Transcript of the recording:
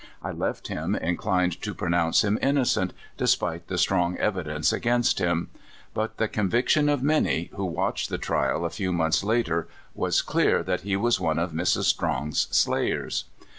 I left him inclined to pronounce him innocent, despite the strong evi dence against him. But the conviction of many, who w^atched the trial a few months after, was clear that he was one of Mrs. Strong's slayers.